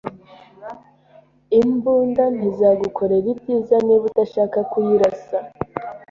Imbunda ntizagukorera ibyiza niba udashaka kuyirasa